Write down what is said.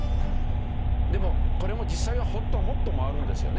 でもこれも実際は本当はもっと回るんですよね。